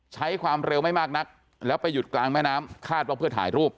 ใช้ความเร็วไม่มากนักแล้วไปหยุดกลางแม่น้ำคาดว่าเพื่อถ่ายรูป